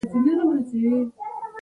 اصیل انسان هېڅ وخت نه خطا کېږي.